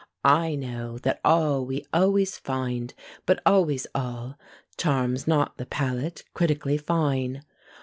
I know That all, we always find; but always all, Charms not the palate, critically fine.